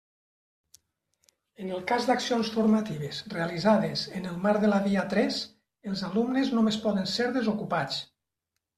En el cas d'accions formatives realitzades en el marc de la Via tres, els alumnes només poden ser desocupats.